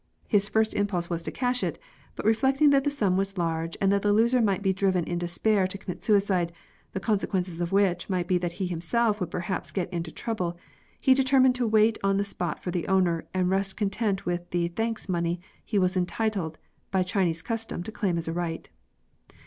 His first impulse was to cash it, but reflecting that the sum was large and that the loser might be driven in despair to commit suicide, the consequences of which might be that he himself would perhaps get into trouble, he de termined to wait on the spot for the owner and rest content with the " thanks money " he was entitled by Chinese custom to claim as a riglit.